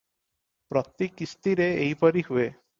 ପ୍ରତି କିସ୍ତିରେ ଏହିପରି ହୁଏ ।